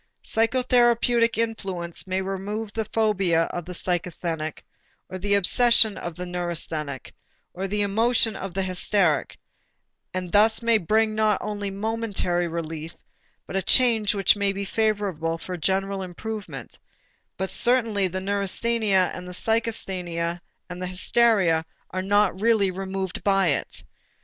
Psychotherapeutic influence may remove the phobia of a psychasthenic or the obsession of a neurasthenic or the emotion of a hysteric, and thus may bring not only momentary relief but a change which may be favorable for general improvement, but certainly the neurasthenia and psychasthenia and hysteria are not really removed by it.